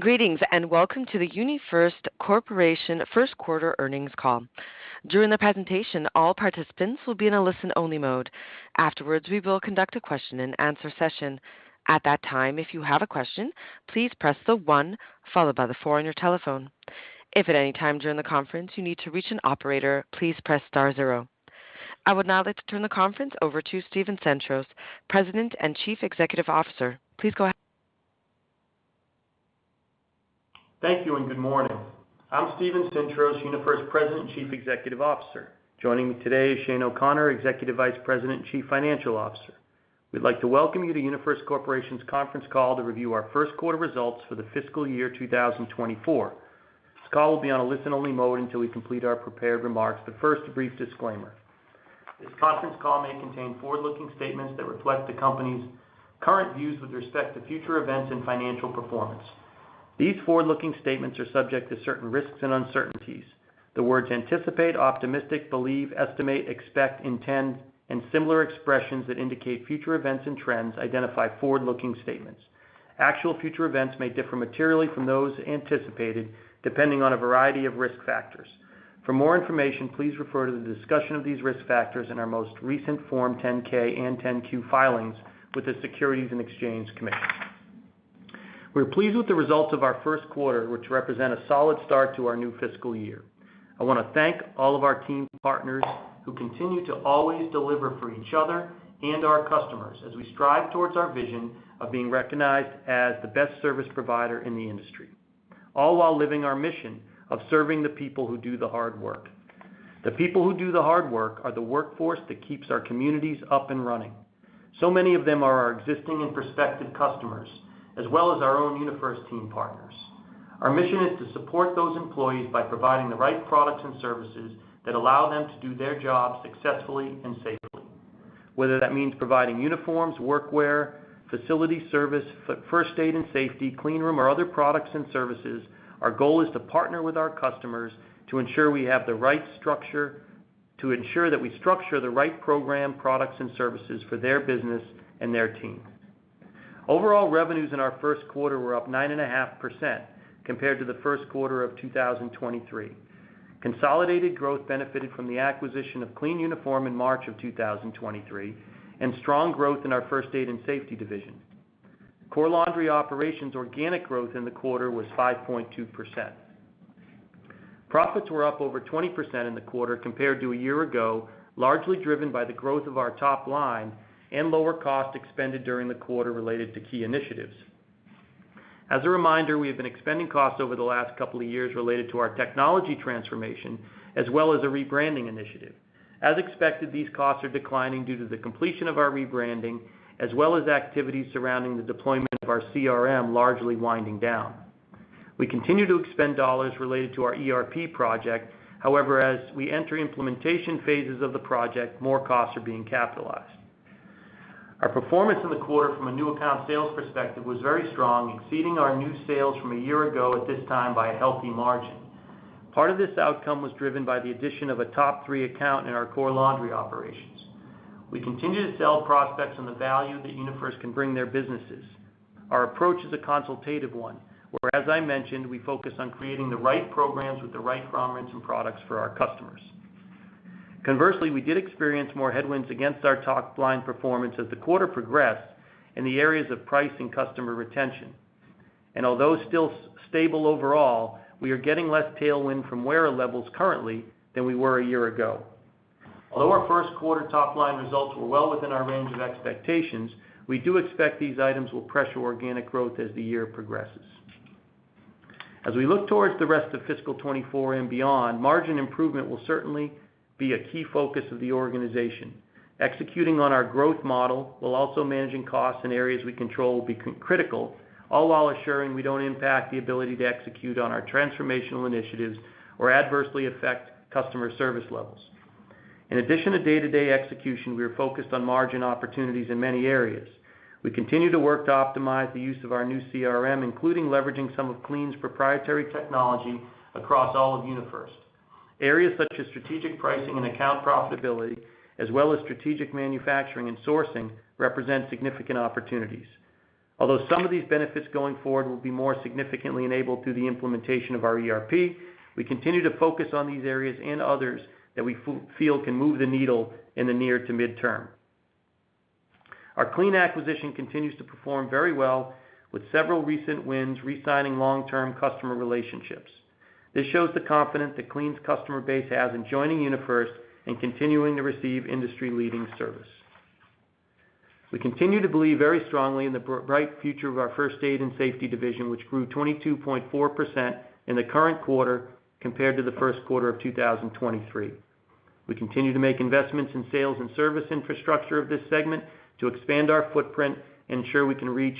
Greetings, and welcome to the UniFirst Corporation first quarter earnings call. During the presentation, all participants will be in a listen-only mode. Afterwards, we will conduct a question-and-answer session. At that time, if you have a question, please press the one followed by the four on your telephone. If at any time during the conference you need to reach an operator, please press star zero. I would now like to turn the conference over to Steven Sintros, President and Chief Executive Officer. Please go ahead. Thank you, and good morning. I'm Steven Sintros, UniFirst President and Chief Executive Officer. Joining me today is Shane O'Connor, Executive Vice President and Chief Financial Officer. We'd like to welcome you to UniFirst Corporation's Conference Call to review our first quarter results for the fiscal year 2024. This call will be on a listen-only mode until we complete our prepared remarks, but first, a brief disclaimer. This conference call may contain forward-looking statements that reflect the company's current views with respect to future events and financial performance. These forward-looking statements are subject to certain risks and uncertainties. The words anticipate, optimistic, believe, estimate, expect, intend, and similar expressions that indicate future events and trends identify forward-looking statements. Actual future events may differ materially from those anticipated, depending on a variety of risk factors. For more information, please refer to the discussion of these risk factors in our most recent Form 10-K and 10-Q filings with the Securities and Exchange Commission. We're pleased with the results of our first quarter, which represent a solid start to our new fiscal year. I want to thank all of our team partners who continue to always deliver for each other and our customers as we strive towards our vision of being recognized as the best service provider in the industry, all while living our mission of serving the people who do the hard work. The people who do the hard work are the workforce that keeps our communities up and running. So many of them are our existing and prospective customers, as well as our own UniFirst team partners. Our mission is to support those employees by providing the right products and services that allow them to do their jobs successfully and safely. Whether that means providing uniforms, workwear, facility service, first aid and safety, clean room, or other products and services, our goal is to partner with our customers to ensure that we structure the right program, products, and services for their business and their teams. Overall, revenues in our first quarter were up 9.5% compared to the first quarter of 2023. Consolidated growth benefited from the acquisition of Clean Uniform in March of 2023, and strong growth in our First Aid and Safety division. Core Laundry Operations organic growth in the quarter was 5.2%. Profits were up over 20% in the quarter compared to a year ago, largely driven by the growth of our top line and lower costs expended during the quarter related to key initiatives. As a reminder, we have been expending costs over the last couple of years related to our technology transformation, as well as a rebranding initiative. As expected, these costs are declining due to the completion of our rebranding, as well as activities surrounding the deployment of our CRM, largely winding down. We continue to expend dollars related to our ERP project. However, as we enter implementation phases of the project, more costs are being capitalized. Our performance in the quarter from a new account sales perspective was very strong, exceeding our new sales from a year ago at this time by a healthy margin. Part of this outcome was driven by the addition of a top three account in our Core Laundry Operations. We continue to sell prospects on the value that UniFirst can bring their businesses. Our approach is a consultative one, where, as I mentioned, we focus on creating the right programs with the right products and products for our customers. Conversely, we did experience more headwinds against our top-line performance as the quarter progressed in the areas of price and customer retention. Although still stable overall, we are getting less tailwind from wearer levels currently than we were a year ago. Although our first quarter top-line results were well within our range of expectations, we do expect these items will pressure organic growth as the year progresses. As we look towards the rest of fiscal 2024 and beyond, margin improvement will certainly be a key focus of the organization. Executing on our growth model, while also managing costs in areas we control, will be critical, all while assuring we don't impact the ability to execute on our transformational initiatives or adversely affect customer service levels. In addition to day-to-day execution, we are focused on margin opportunities in many areas. We continue to work to optimize the use of our new CRM, including leveraging some of Clean's proprietary technology across all of UniFirst. Areas such as strategic pricing and account profitability, as well as strategic manufacturing and sourcing, represent significant opportunities. Although some of these benefits going forward will be more significantly enabled through the implementation of our ERP, we continue to focus on these areas and others that we feel can move the needle in the near to midterm. Our Clean acquisition continues to perform very well, with several recent wins re-signing long-term customer relationships. This shows the confidence that Clean's customer base has in joining UniFirst and continuing to receive industry-leading service. We continue to believe very strongly in the bright future of our First Aid and Safety Division, which grew 22.4% in the current quarter compared to the first quarter of 2023. We continue to make investments in sales and service infrastructure of this segment to expand our footprint and ensure we can reach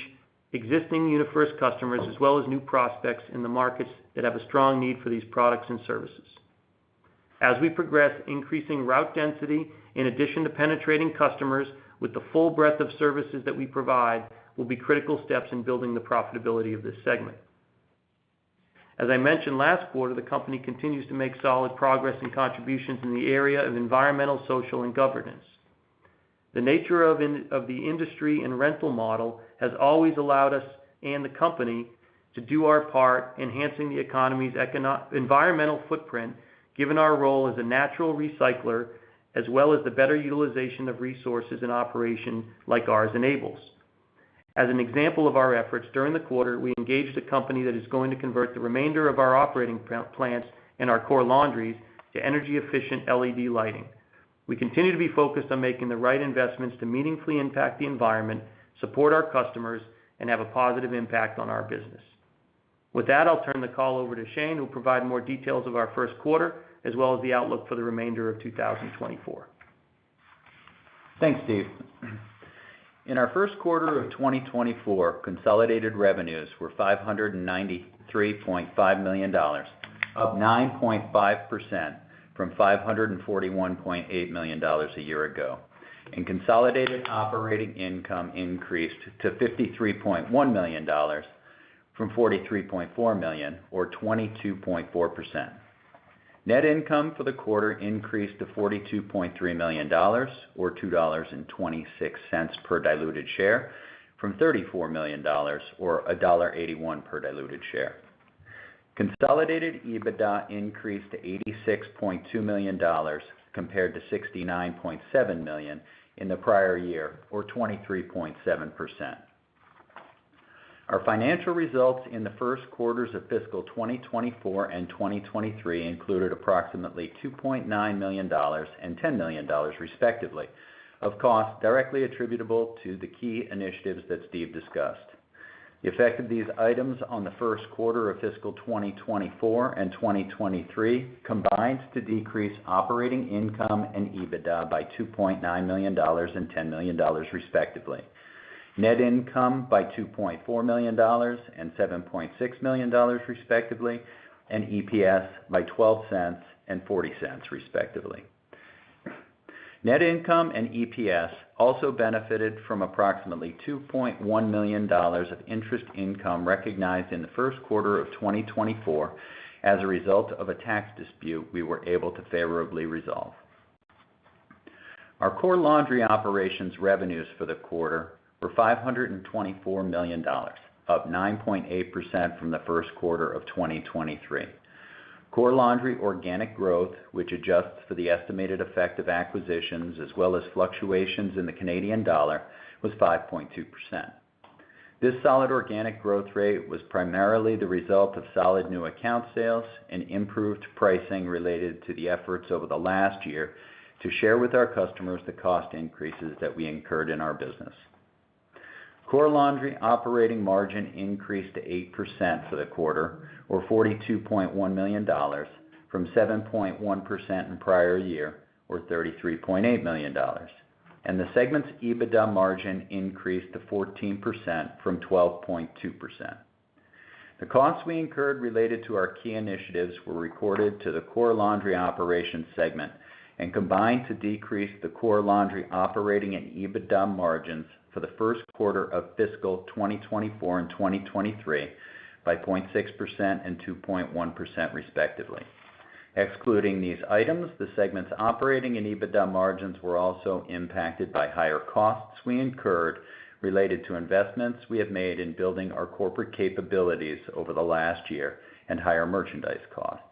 existing UniFirst customers, as well as new prospects in the markets that have a strong need for these products and services. As we progress, increasing route density, in addition to penetrating customers with the full breadth of services that we provide, will be critical steps in building the profitability of this segment. As I mentioned last quarter, the company continues to make solid progress and contributions in the area of environmental, social, and governance. The nature of the industry and rental model has always allowed us and the company to do our part, enhancing the economy's environmental footprint, given our role as a natural recycler, as well as the better utilization of resources an operation like ours enables. As an example of our efforts, during the quarter, we engaged a company that is going to convert the remainder of our operating plants and our core laundries to energy-efficient LED lighting. We continue to be focused on making the right investments to meaningfully impact the environment, support our customers, and have a positive impact on our business. With that, I'll turn the call over to Shane, who'll provide more details of our first quarter, as well as the outlook for the remainder of 2024. Thanks, Steve. In our first quarter of 2024, consolidated revenues were $593.5 million, up 9.5% from $541.8 million a year ago, and consolidated operating income increased to $53.1 million from $43.4 million, or 22.4%. Net income for the quarter increased to $42.3 million, or $2.26 per diluted share, from $34 million, or $1.81 per diluted share. Consolidated EBITDA increased to $86.2 million, compared to $69.7 million in the prior year, or 23.7%. Our financial results in the first quarters of fiscal 2024 and 2023 included approximately $2.9 million and $10 million, respectively, of costs directly attributable to the key initiatives that Steve discussed. The effect of these items on the first quarter of fiscal 2024 and 2023 combines to decreased operating income and EBITDA by $2.9 million and $10 million, respectively. Net income by $2.4 million and $7.6 million, respectively, and EPS by $0.12 and $0.40, respectively. Net income and EPS also benefited from approximately $2.1 million of interest income recognized in the first quarter of 2024 as a result of a tax dispute we were able to favorably resolve. Our Core Laundry Operations revenues for the quarter were $524 million, up 9.8% from the first quarter of 2023. Core Laundry organic growth, which adjusts for the estimated effect of acquisitions as well as fluctuations in the Canadian dollar, was 5.2%. This solid organic growth rate was primarily the result of solid new account sales and improved pricing related to the efforts over the last year to share with our customers the cost increases that we incurred in our business. Core Laundry operating margin increased to 8% for the quarter, or $42.1 million, from 7.1% in prior year, or $33.8 million, and the segment's EBITDA margin increased to 14% from 12.2%. The costs we incurred related to our key initiatives were recorded to the Core Laundry Operations segment and combined to decrease the Core Laundry Operations operating and EBITDA margins for the first quarter of fiscal 2024 and 2023 by 0.6% and 2.1%, respectively. Excluding these items, the segment's operating and EBITDA margins were also impacted by higher costs we incurred related to investments we have made in building our corporate capabilities over the last year and higher merchandise costs.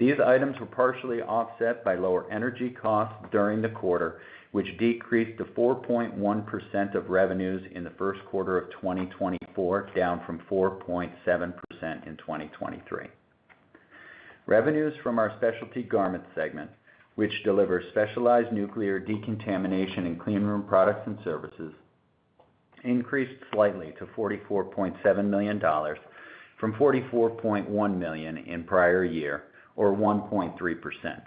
These items were partially offset by lower energy costs during the quarter, which decreased to 4.1% of revenues in the first quarter of 2024, down from 4.7% in 2023. Revenues from our Specialty Garment segment, which delivers specialized nuclear decontamination and clean room products and services, increased slightly to $44.7 million from $44.1 million in prior year, or 1.3%.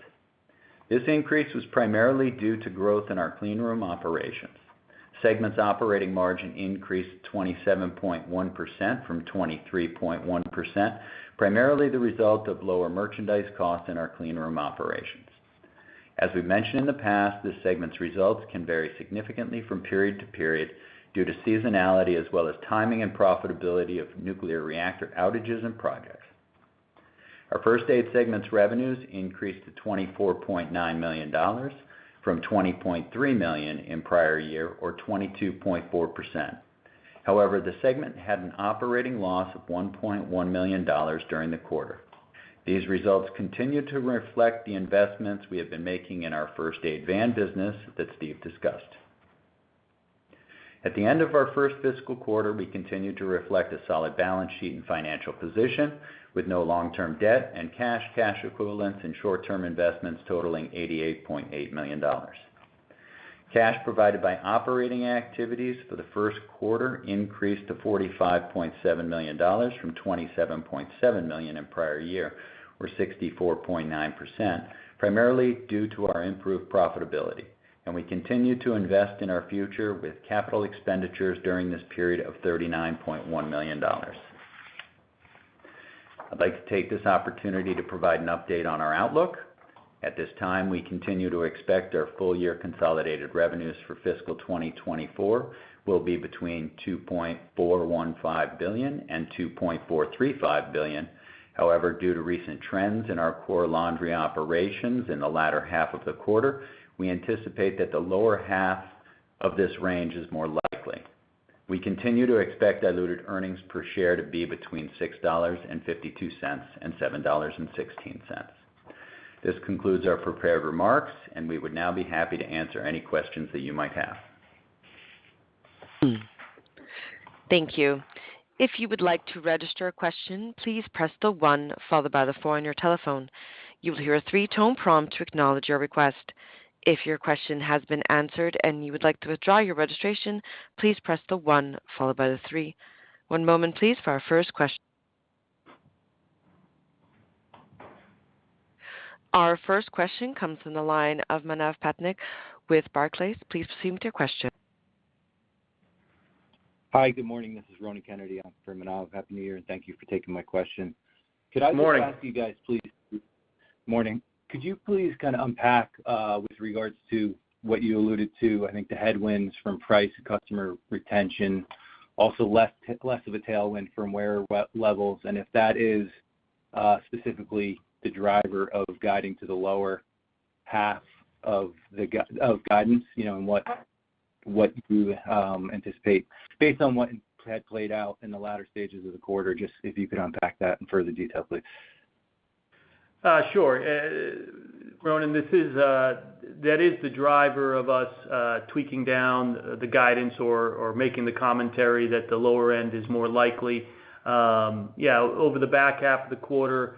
This increase was primarily due to growth in our clean room operations. Segment's operating margin increased to 27.1% from 23.1%, primarily the result of lower merchandise costs in our clean room operations. As we mentioned in the past, this segment's results can vary significantly from period to period due to seasonality as well as timing and profitability of nuclear reactor outages and projects. Our First Aid segment's revenues increased to $24.9 million from $20.3 million in prior year, or 22.4%. However, the segment had an operating loss of $1.1 million during the quarter. These results continue to reflect the investments we have been making in our First Aid van business that Steve discussed. At the end of our first fiscal quarter, we continued to reflect a solid balance sheet and financial position, with no long-term debt and cash, cash equivalents and short-term investments totaling $88.8 million. Cash provided by operating activities for the first quarter increased to $45.7 million from $27.7 million in prior year, or 64.9%, primarily due to our improved profitability. And we continued to invest in our future with capital expenditures during this period of $39.1 million. I'd like to take this opportunity to provide an update on our outlook. At this time, we continue to expect our full year consolidated revenues for fiscal 2024 will be between $2.415 billion and $2.435 billion. However, due to recent trends in our core laundry operations in the latter half of the quarter, we anticipate that the lower half of this range is more likely. We continue to expect diluted earnings per share to be between $6.52 and $7.16. This concludes our prepared remarks, and we would now be happy to answer any questions that you might have. Thank you. If you would like to register a question, please press the one followed by the four on your telephone. You will hear a three-tone prompt to acknowledge your request. If your question has been answered and you would like to withdraw your registration, please press the one followed by the three. One moment, please. Our first question comes from the line of Manav Patnaik with Barclays. Please proceed with your question. Hi, good morning. This is Ronan Kennedy on for Manav. Happy New Year, and thank you for taking my question. Good morning. Could I just ask you guys, please? Morning. Could you please kind of unpack with regards to what you alluded to, I think the headwinds from price, customer retention, also less of a tailwind from where, what levels, and if that is specifically the driver of guiding to the lower half of guidance, you know, and what you anticipate, based on what had played out in the latter stages of the quarter, just if you could unpack that in further detail, please. Sure. Ronan, this is, that is, the driver of us tweaking down the guidance or making the commentary that the lower end is more likely. Yeah, over the back half of the quarter,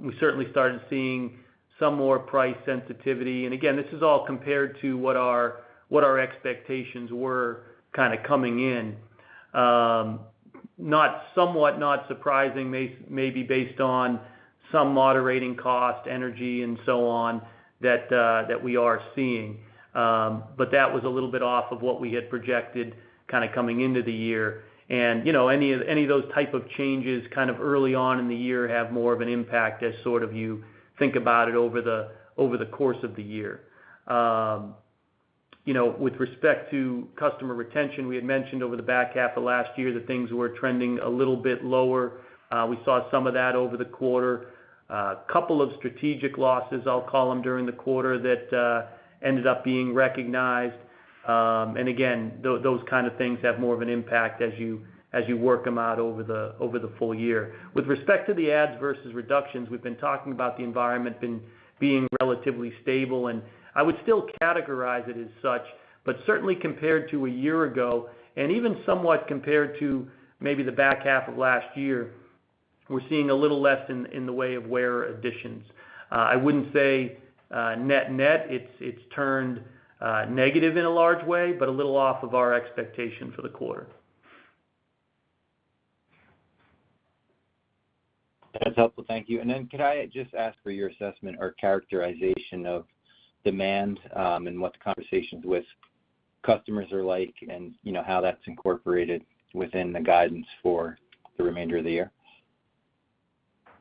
we certainly started seeing some more price sensitivity. And again, this is all compared to what our expectations were kind of coming in. Somewhat not surprising, maybe based on some moderating cost, energy, and so on, that we are seeing. But that was a little bit off of what we had projected kind of coming into the year. And you know, any of those type of changes, kind of early on in the year, have more of an impact as sort of you think about it over the course of the year. You know, with respect to customer retention, we had mentioned over the back half of last year that things were trending a little bit lower. We saw some of that over the quarter. A couple of strategic losses, I'll call them, during the quarter that ended up being recognized. And again, those kind of things have more of an impact as you work them out over the full year. With respect to the adds versus reductions, we've been talking about the environment being relatively stable, and I would still categorize it as such. But certainly compared to a year ago, and even somewhat compared to maybe the back half of last year, we're seeing a little less in the way of wearer additions. I wouldn't say, net-net, it's, it's turned negative in a large way, but a little off of our expectation for the quarter. That's helpful. Thank you. Then could I just ask for your assessment or characterization of demand, and what the conversations with customers are like, and, you know, how that's incorporated within the guidance for the remainder of the year?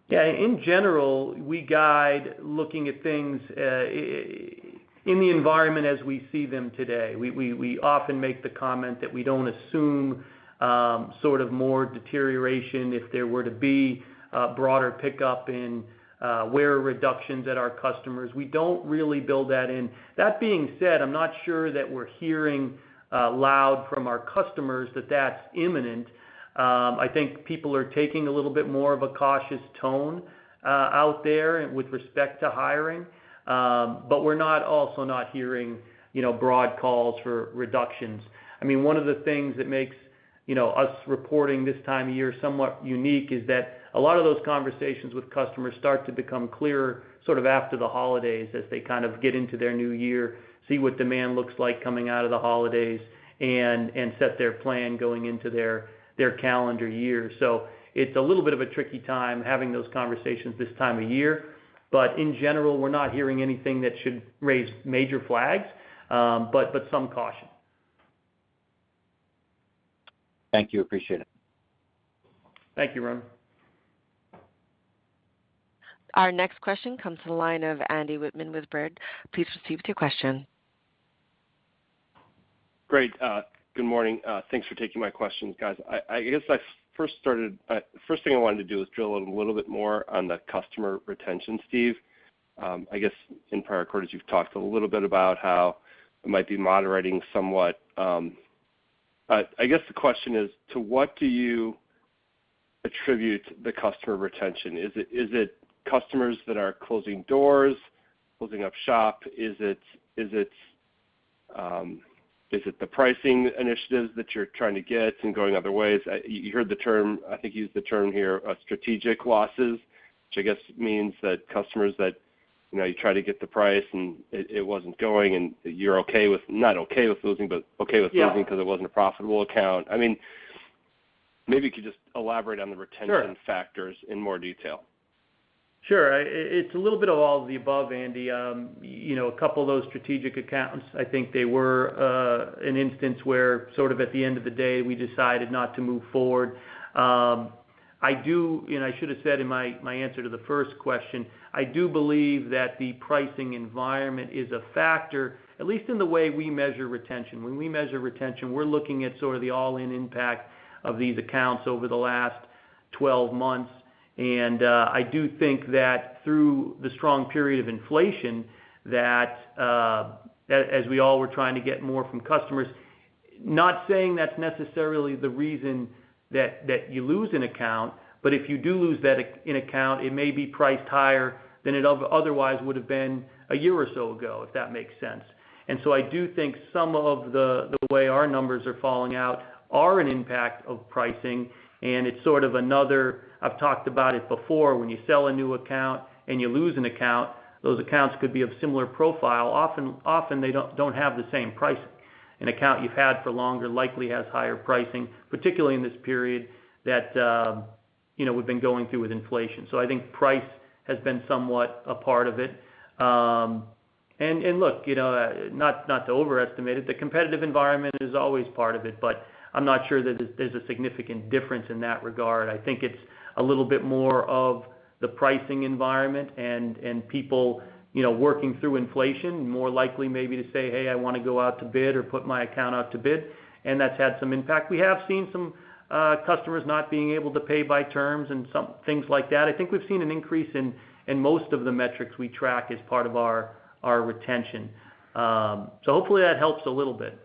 Yeah, in general, we guide looking at things in the environment as we see them today. We often make the comment that we don't assume sort of more deterioration if there were to be a broader pickup in wearer reductions at our customers. We don't really build that in. That being said, I'm not sure that we're hearing loud from our customers that that's imminent. I think people are taking a little bit more of a cautious tone out there with respect to hiring, but we're not also not hearing, you know, broad calls for reductions. I mean, one of the things that makes, you know, us reporting this time of year somewhat unique is that a lot of those conversations with customers start to become clearer, sort of after the holidays, as they kind of get into their new year, see what demand looks like coming out of the holidays and set their plan going into their calendar year. So it's a little bit of a tricky time having those conversations this time of year. But in general, we're not hearing anything that should raise major flags, but some caution. Thank you. Appreciate it. Thank you, Ronan. Our next question comes to the line of Andy Wittmann with Baird. Please proceed with your question. Great. Good morning. Thanks for taking my questions, guys. I guess the first thing I wanted to do is drill a little bit more on the customer retention, Steve. I guess in prior quarters, you've talked a little bit about how it might be moderating somewhat. I guess the question is, to what do you attribute the customer retention? Is it customers that are closing doors, closing up shop? Is it the pricing initiatives that you're trying to get and going other ways? You heard the term, I think you used the term here, strategic losses, which I guess means that customers that, you know, you try to get the price and it wasn't going, and you're okay with not okay with losing, but okay with Yeah losing because it wasn't a profitable account. I mean, maybe you could just elaborate on the retention- Sure factors in more detail. Sure. It's a little bit of all of the above, Andy. You know, a couple of those strategic accounts, I think they were an instance where sort of at the end of the day, we decided not to move forward. I do, and I should have said in my answer to the first question, I do believe that the pricing environment is a factor, at least in the way we measure retention. When we measure retention, we're looking at sort of the all-in impact of these accounts over the last 12 months. I do think that through the strong period of inflation, that as we all were trying to get more from customers, not saying that's necessarily the reason that you lose an account, but if you do lose an account, it may be priced higher than it otherwise would have been a year or so ago, if that makes sense. And so I do think some of the way our numbers are falling out are an impact of pricing, and it's sort of another. I've talked about it before, when you sell a new account and you lose an account, those accounts could be of similar profile. Often they don't have the same pricing. An account you've had for longer likely has higher pricing, particularly in this period, you know, we've been going through with inflation. So I think price has been somewhat a part of it. And, and look, you know, not, not to overestimate it, the competitive environment is always part of it, but I'm not sure that there's, there's a significant difference in that regard. I think it's a little bit more of the pricing environment and, and people, you know, working through inflation, more likely maybe to say, "Hey, I want to go out to bid or put my account out to bid," and that's had some impact. We have seen some, customers not being able to pay by terms and some things like that. I think we've seen an increase in, in most of the metrics we track as part of our, our retention. So hopefully, that helps a little bit.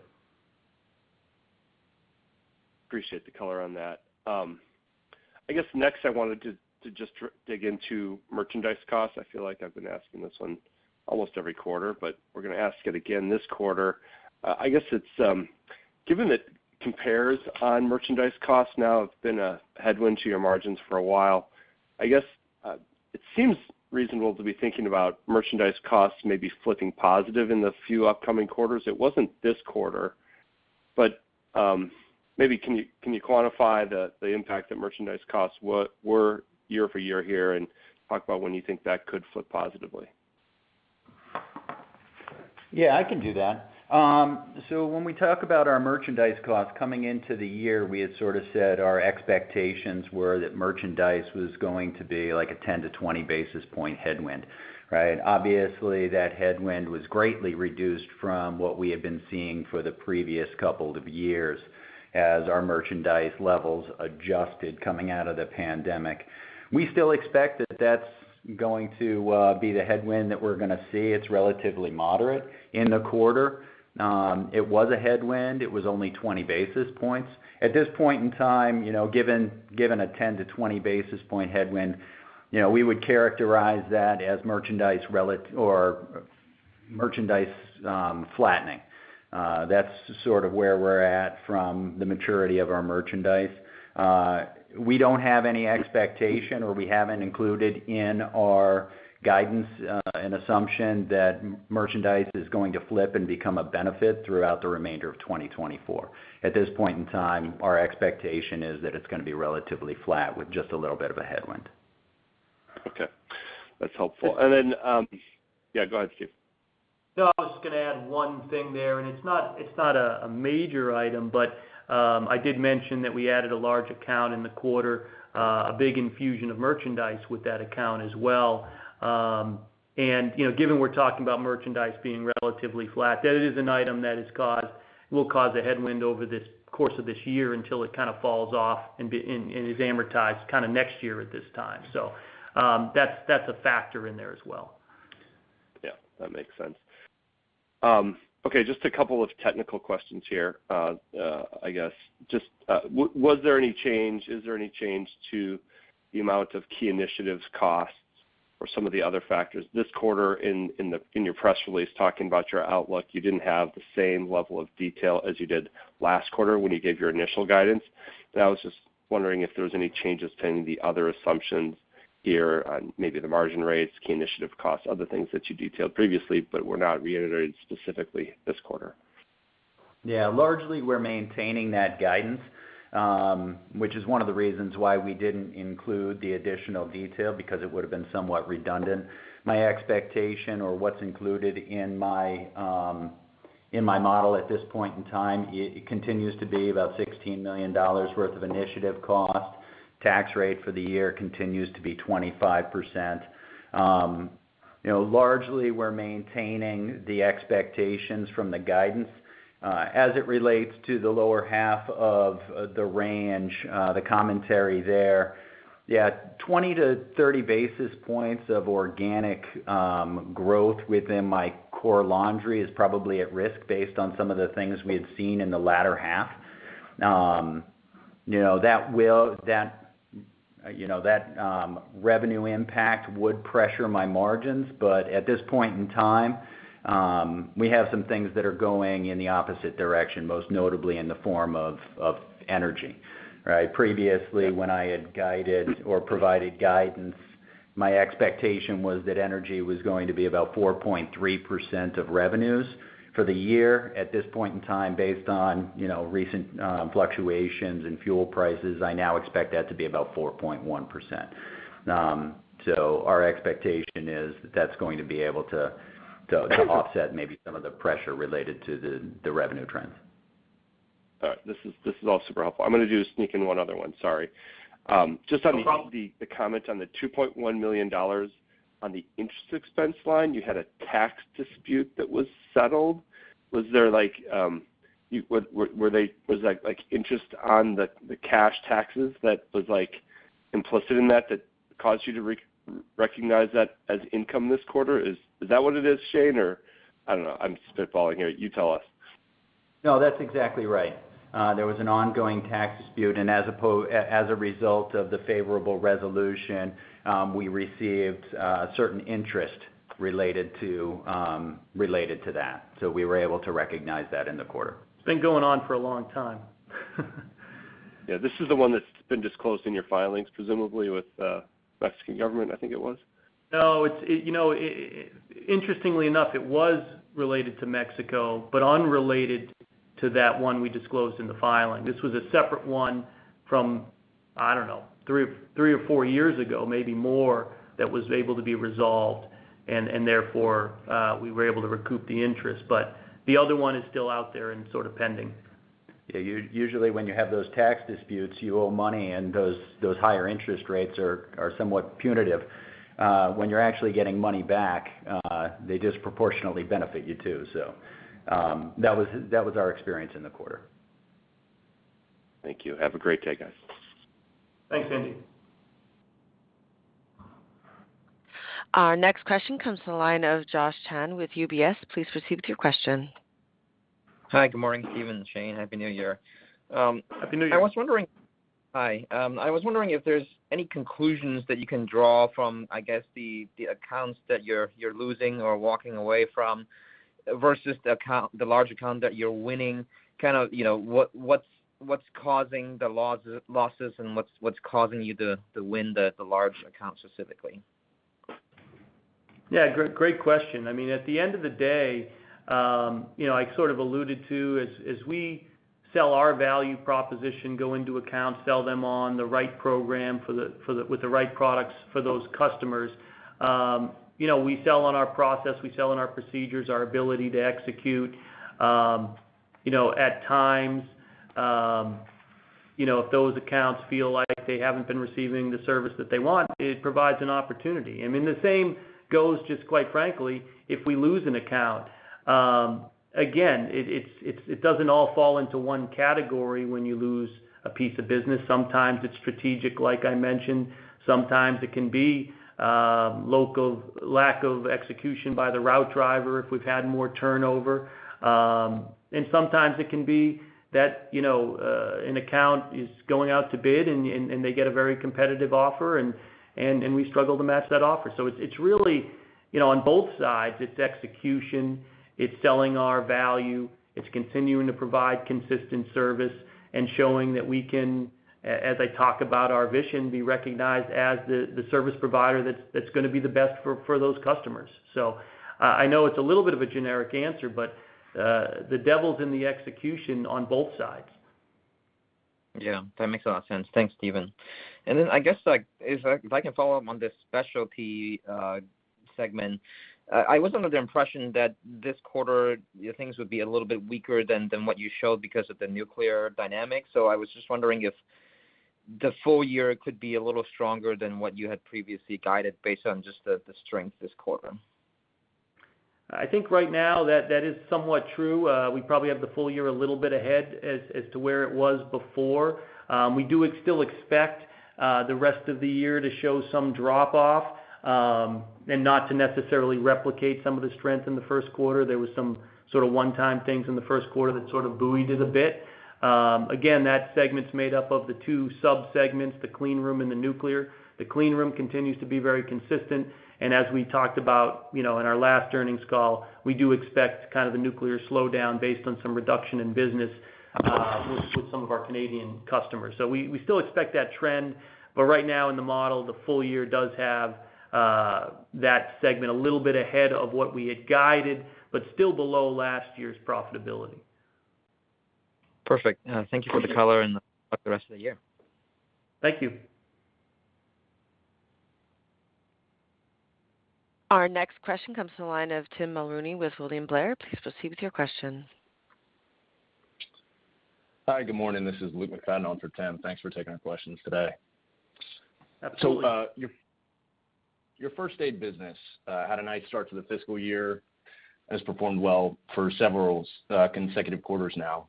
Appreciate the color on that. I guess next, I wanted to just dig into merchandise costs. I feel like I've been asking this one almost every quarter, but we're going to ask it again this quarter. I guess it's given that comps on merchandise costs now have been a headwind to your margins for a while. I guess it seems reasonable to be thinking about merchandise costs maybe flipping positive in the few upcoming quarters. It wasn't this quarter, but maybe can you quantify the impact that merchandise costs were year-over-year here, and talk about when you think that could flip positively? Yeah, I can do that. So when we talk about our merchandise costs, coming into the year, we had sort of said our expectations were that merchandise was going to be like a 10-20 basis point headwind, right? Obviously, that headwind was greatly reduced from what we had been seeing for the previous couple of years as our merchandise levels adjusted coming out of the pandemic. We still expect that that's going to be the headwind that we're going to see. It's relatively moderate in the quarter. It was a headwind. It was only 20 basis points. At this point in time, you know, given a 10-20 basis point headwind, you know, we would characterize that as merchandise flattening. That's sort of where we're at from the maturity of our merchandise. We don't have any expectation, or we haven't included in our guidance, an assumption that merchandise is going to flip and become a benefit throughout the remainder of 2024. At this point in time, our expectation is that it's going to be relatively flat with just a little bit of a headwind. Okay. That's helpful. And then, yeah, go ahead, Steve. No, I was just going to add one thing there, and it's not a major item, but I did mention that we added a large account in the quarter, a big infusion of merchandise with that account as well. And you know, given we're talking about merchandise being relatively flat, that is an item that has caused - will cause a headwind over the course of this year until it kind of falls off and is amortized kind of next year at this time. So, that's a factor in there as well. Yeah, that makes sense. Okay, just a couple of technical questions here. I guess, just, was there any change, is there any change to the amount of key initiatives costs or some of the other factors? This quarter, in, in the, in your press release, talking about your outlook, you didn't have the same level of detail as you did last quarter when you gave your initial guidance. But I was just wondering if there was any changes to any of the other assumptions here on maybe the margin rates, key initiative costs, other things that you detailed previously but were not reiterated specifically this quarter. Yeah. Largely, we're maintaining that guidance, which is one of the reasons why we didn't include the additional detail, because it would've been somewhat redundant. My expectation or what's included in my, in my model at this point in time, it continues to be about $16 million worth of initiative cost. Tax rate for the year continues to be 25%. You know, largely, we're maintaining the expectations from the guidance. As it relates to the lower half of the range, the commentary there, yeah, 20-30 basis points of organic growth within my core laundry is probably at risk based on some of the things we had seen in the latter half. You know, that revenue impact would pressure my margins, but at this point in time, we have some things that are going in the opposite direction, most notably in the form of energy, right? Previously, when I had guided or provided guidance, my expectation was that energy was going to be about 4.3% of revenues for the year. At this point in time, based on, you know, recent fluctuations in fuel prices, I now expect that to be about 4.1%. So our expectation is that that's going to be able to offset maybe some of the pressure related to the revenue trends. All right. This is, this is all super helpful. I'm going to just sneak in one other one, sorry. Just on the. No problem. The comment on the $2.1 million on the interest expense line, you had a tax dispute that was settled. Was there like. Were they, was that like interest on the cash taxes that was like implicit in that, that caused you to recognize that as income this quarter? Is that what it is, Shane? Or I don't know, I'm spitballing here. You tell us. No, that's exactly right. There was an ongoing tax dispute, and as a result of the favorable resolution, we received certain interest related to that. So we were able to recognize that in the quarter. It's been going on for a long time. Yeah, this is the one that's been disclosed in your filings, presumably with Mexican government, I think it was? No, it's, you know, interestingly enough, it was related to Mexico, but unrelated to that one we disclosed in the filing. This was a separate one from, I don't know, three, three or four years ago, maybe more, that was able to be resolved, and therefore, we were able to recoup the interest. But the other one is still out there and sort of pending. Yeah, usually, when you have those tax disputes, you owe money, and those higher interest rates are somewhat punitive. When you're actually getting money back, they disproportionately benefit you, too. So, that was our experience in the quarter. Thank you. Have a great day, guys. Thanks, Andy. Our next question comes from the line of Josh Chan with UBS. Please proceed with your question. Hi, good morning, Steven and Shane. Happy New Year. Happy New Year. Hi, I was wondering if there's any conclusions that you can draw from, I guess, the accounts that you're losing or walking away from, versus the large account that you're winning? Kind of, you know, what's causing the losses, and what's causing you to win the large accounts, specifically? Yeah, great, great question. I mean, at the end of the day, you know, I sort of alluded to, as we sell our value proposition, go into accounts, sell them on the right program for the with the right products for those customers, you know, we sell on our process, we sell on our procedures, our ability to execute. You know, at times, you know, if those accounts feel like they haven't been receiving the service that they want, it provides an opportunity. I mean, the same goes, just quite frankly, if we lose an account. Again, it's, it doesn't all fall into one category when you lose a piece of business. Sometimes it's strategic, like I mentioned. Sometimes it can be local, lack of execution by the route driver, if we've had more turnover. And sometimes it can be that, you know, an account is going out to bid, and they get a very competitive offer, and we struggle to match that offer. So it's really, you know, on both sides, it's execution, it's selling our value, it's continuing to provide consistent service and showing that we can, as I talk about our vision, be recognized as the service provider that's gonna be the best for those customers. So, I know it's a little bit of a generic answer, but the devil's in the execution on both sides. Yeah, that makes a lot of sense. Thanks, Steven. And then I guess, like, if I can follow up on the specialty segment. I was under the impression that this quarter, things would be a little bit weaker than what you showed because of the nuclear dynamics. So I was just wondering if the full year could be a little stronger than what you had previously guided, based on just the strength this quarter. I think right now that that is somewhat true. We probably have the full year a little bit ahead, as to where it was before. We do still expect the rest of the year to show some drop-off, and not to necessarily replicate some of the strength in the first quarter. There was some sort of one-time things in the first quarter that sort of buoyed it a bit. Again, that segment's made up of the two subsegments, the Clean Room and the Nuclear. The Clean Room continues to be very consistent, and as we talked about, you know, in our last earnings call, we do expect kind of a nuclear slowdown based on some reduction in business with some of our Canadian customers. So we still expect that trend, but right now in the model, the full year does have that segment a little bit ahead of what we had guided, but still below last year's profitability. Perfect. Thank you for the color and the rest of the year. Thank you. Our next question comes from the line of Tim Mulrooney with William Blair. Please proceed with your question. Hi, good morning. This is Luke McFadden on for Tim. Thanks for taking our questions today. Absolutely. So, your first aid business had a nice start to the fiscal year and has performed well for several consecutive quarters now.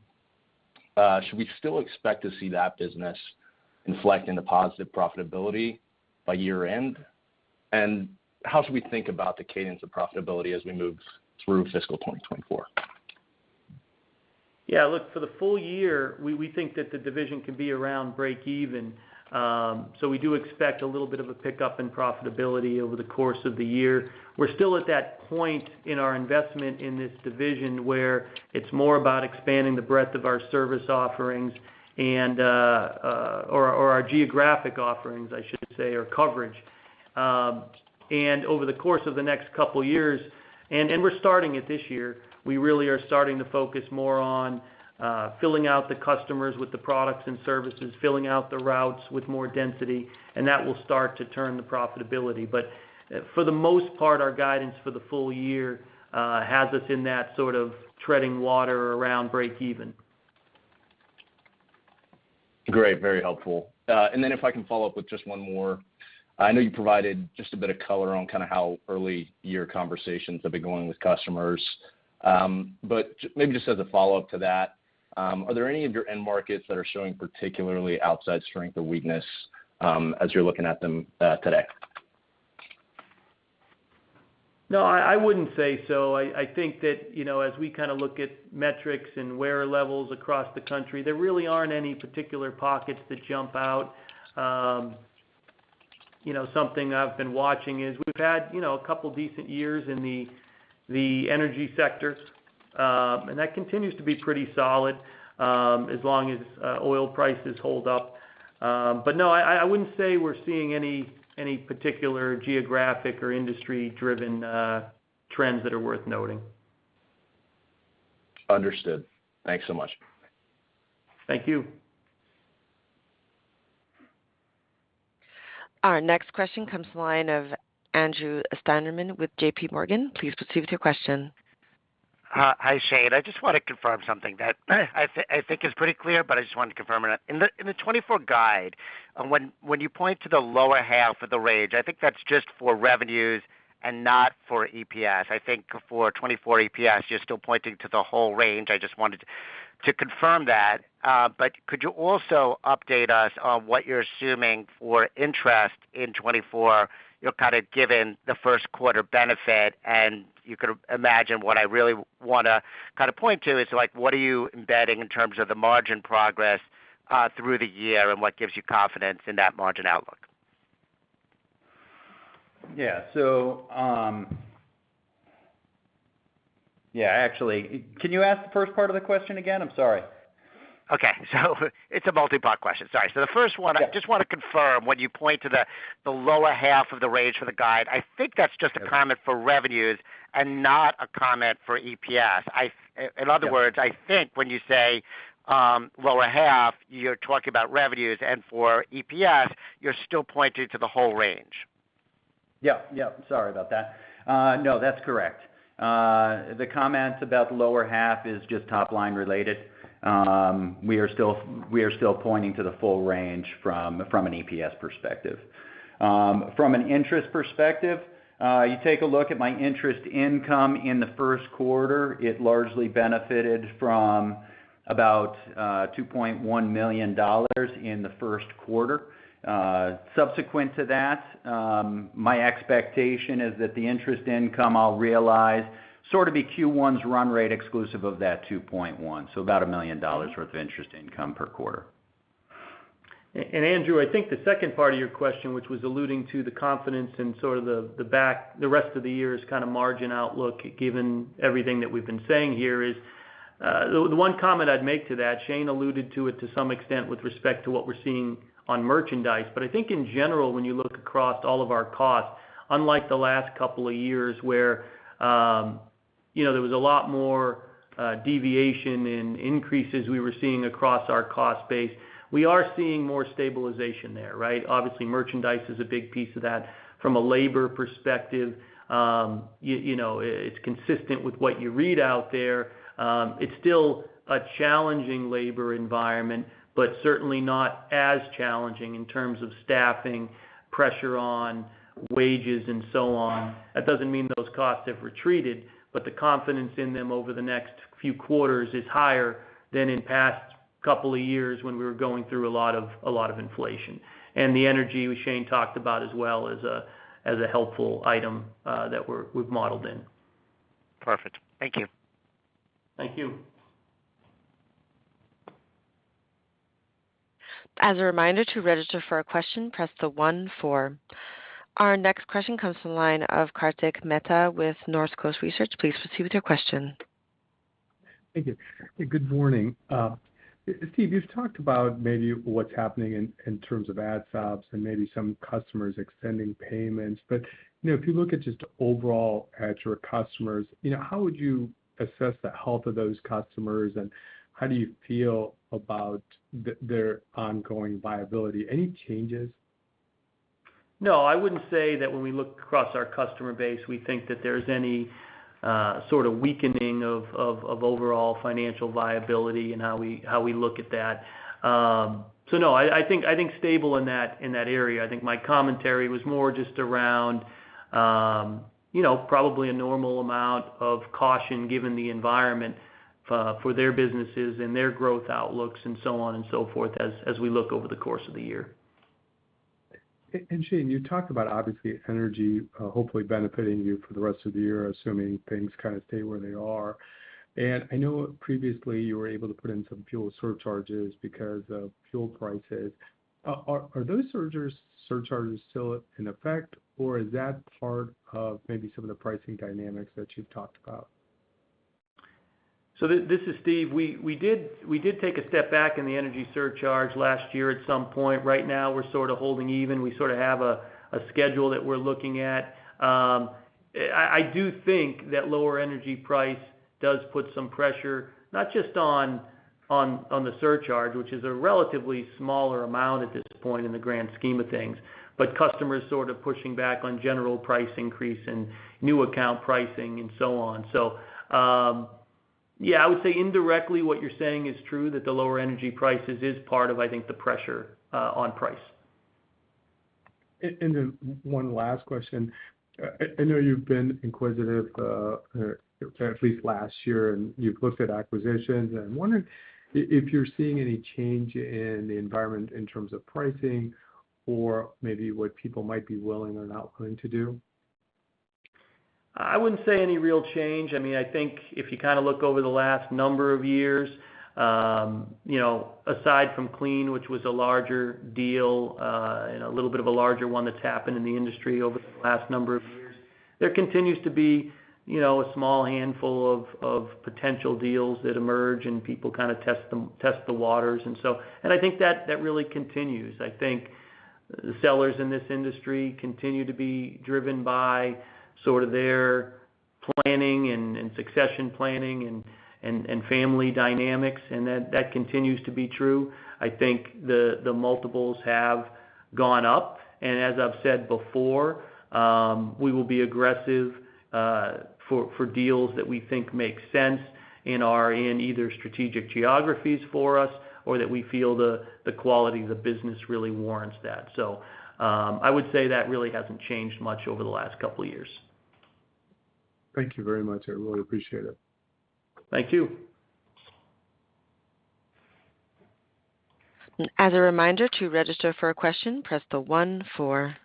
Should we still expect to see that business inflect into positive profitability by year-end? And how should we think about the cadence of profitability as we move through fiscal 2024? Yeah, look, for the full year, we think that the division can be around break even. So we do expect a little bit of a pickup in profitability over the course of the year. We're still at that point in our investment in this division, where it's more about expanding the breadth of our service offerings and or our geographic offerings, I should say, or coverage. And over the course of the next couple of years, and we're starting it this year, we really are starting to focus more on filling out the customers with the products and services, filling out the routes with more density, and that will start to turn the profitability. But for the most part, our guidance for the full year has us in that sort of treading water around break even. Great, very helpful. And then if I can follow up with just one more. I know you provided just a bit of color on kind of how early your conversations have been going with customers. But maybe just as a follow-up to that, are there any of your end markets that are showing particularly outside strength or weakness, as you're looking at them, today? No, I wouldn't say so. I think that, you know, as we kind of look at metrics and wear levels across the country, there really aren't any particular pockets that jump out. You know, something I've been watching is we've had, you know, a couple of decent years in the energy sector, and that continues to be pretty solid, as long as oil prices hold up. But no, I wouldn't say we're seeing any particular geographic or industry-driven trends that are worth noting. Understood. Thanks so much. Thank you. Our next question comes from the line of Andrew Steinerman with JPMorgan. Please proceed with your question. Hi, Shane. I just want to confirm something that I think is pretty clear, but I just wanted to confirm it. In the 2024 guide, when you point to the lower half of the range, I think that's just for revenues and not for EPS. I think for 2024 EPS, you're still pointing to the whole range. I just wanted to confirm that. But could you also update us on what you're assuming for interest in 2024, you know, kind of given the first quarter benefit? And you could imagine what I really want to kind of point to is, like, what are you embedding in terms of the margin progress through the year, and what gives you confidence in that margin outlook? Yeah. So, Yeah, actually, can you ask the first part of the question again? I'm sorry. Okay. So it's a multipart question. Sorry. So the first one. Okay. I just want to confirm, when you point to the lower half of the range for the guide, I think that's just a comment for revenues and not a comment for EPS. Yeah. In other words, I think when you say, lower half, you're talking about revenues, and for EPS, you're still pointing to the whole range. Yep, yep. Sorry about that. No, that's correct. The comments about the lower half is just top line related. We are still pointing to the full range from an EPS perspective. From an interest perspective, you take a look at my interest income in the first quarter, it largely benefited from about $2.1 million in the first quarter. Subsequent to that, my expectation is that the interest income I'll realize sort of be Q1's run rate, exclusive of that $2.1, so about $1 million worth of interest income per quarter. And Andrew, I think the second part of your question, which was alluding to the confidence and sort of the, the back, the rest of the year's kind of margin outlook, given everything that we've been saying here, is, the one comment I'd make to that. Shane alluded to it to some extent with respect to what we're seeing on merchandise. But I think in general, when you look across all of our costs, unlike the last couple of years, where, you know, there was a lot more, deviation in increases we were seeing across our cost base, we are seeing more stabilization there, right? Obviously, merchandise is a big piece of that. From a labor perspective, you know, it's consistent with what you read out there. It's still a challenging labor environment, but certainly not as challenging in terms of staffing, pressure on wages and so on. That doesn't mean those costs have retreated, but the confidence in them over the next few quarters is higher than in past couple of years when we were going through a lot of inflation. And the energy, which Shane talked about as well, is a helpful item that we've modeled in. Perfect. Thank you. Thank you. As a reminder, to register for a question, press the one four. Our next question comes from the line of Kartik Mehta with Northcoast Research. Please proceed with your question. Thank you. Good morning. Steve, you've talked about maybe what's happening in terms of add stops and maybe some customers extending payments. But, you know, if you look at just overall at your customers, you know, how would you assess the health of those customers, and how do you feel about their ongoing viability? Any changes? No, I wouldn't say that when we look across our customer base, we think that there's any sort of weakening of overall financial viability and how we look at that. So no, I think stable in that area. I think my commentary was more just around you know, probably a normal amount of caution given the environment for their businesses and their growth outlooks and so on and so forth, as we look over the course of the year. And Shane, you talked about obviously energy, hopefully benefiting you for the rest of the year, assuming things kind of stay where they are. And I know previously you were able to put in some fuel surcharges because of fuel prices. Are those surcharges still in effect, or is that part of maybe some of the pricing dynamics that you've talked about? So this, this is Steve. We did take a step back in the energy surcharge last year at some point. Right now, we're sort of holding even. We sort of have a schedule that we're looking at. I do think that lower energy price does put some pressure, not just on the surcharge, which is a relatively smaller amount at this point in the grand scheme of things, but customers sort of pushing back on general price increase and new account pricing and so on. So, yeah, I would say indirectly, what you're saying is true, that the lower energy prices is part of, I think, the pressure on price. And then one last question. I know you've been inquisitive, or at least last year, and you've looked at acquisitions. I'm wondering if you're seeing any change in the environment in terms of pricing or maybe what people might be willing or not willing to do? I wouldn't say any real change. I mean, I think if you kinda look over the last number of years, you know, aside from Clean, which was a larger deal, and a little bit of a larger one that's happened in the industry over the last number of years, there continues to be, you know, a small handful of potential deals that emerge and people kind of test the waters, and so. And I think that really continues. I think the sellers in this industry continue to be driven by sort of their planning and succession planning and family dynamics, and that continues to be true. I think the multiples have gone up, and as I've said before, we will be aggressive for deals that we think make sense and are in either strategic geographies for us or that we feel the quality of the business really warrants that. So, I would say that really hasn't changed much over the last couple of years. Thank you very much. I really appreciate it. Thank you. As a reminder, to register for a question, press the one four.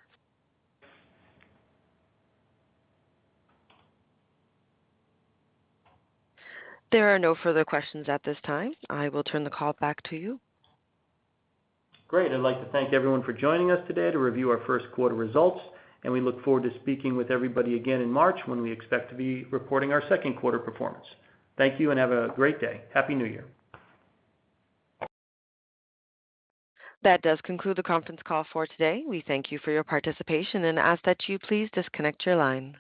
There are no further questions at this time. I will turn the call back to you. Great. I'd like to thank everyone for joining us today to review our first quarter results, and we look forward to speaking with everybody again in March, when we expect to be reporting our second quarter performance. Thank you and have a great day. Happy New Year! That does conclude the conference call for today. We thank you for your participation and ask that you please disconnect your line.